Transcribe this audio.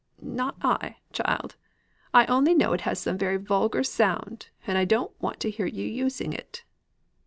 "Not I, child. I only know it has a very vulgar sound; and I don't want to hear you using it."